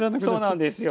そうなんですよ。